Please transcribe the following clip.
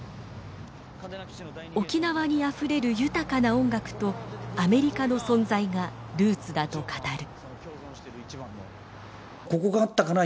沖縄にあふれる豊かな音楽とアメリカの存在がルーツだと語る。